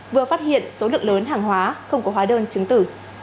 vừa phát hiện số lượng lớn hàng hóa không có hóa đơn chứng tử